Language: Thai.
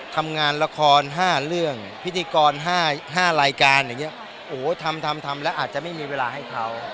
ทำงานละคร๕เรื่องพิธีกร๕รายการทำแล้วอาจจะไม่มีเวลาให้เขา